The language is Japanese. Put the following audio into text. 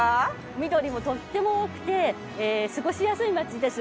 緑もとっても多くて過ごしやすい街です。